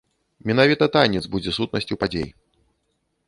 Менавіта танец будзе сутнасцю падзей.